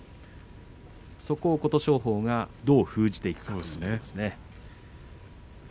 そこを琴勝峰がどう封じていくかですね。